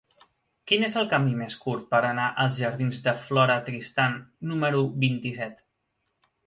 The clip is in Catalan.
Quin és el camí més curt per anar als jardins de Flora Tristán número vint-i-set?